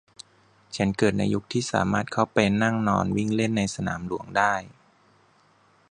ฉันเกิดในยุคที่สามารถเข้าไปนั่งนอนวิ่งเล่นในสนามหลวงได้